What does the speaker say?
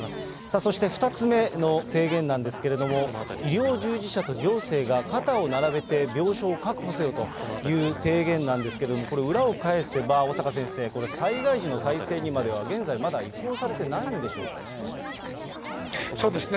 そして２つ目の提言なんですけれども、医療従事者と行政が肩を並べて病床を確保せよという提言なんですけれども、これ、裏を返せば、小坂先生、災害時の体制にまでは現在まだ移行されてないんでしょうかね。